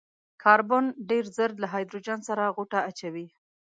کاربن ډېر ژر له هايډروجن سره غوټه اچوي.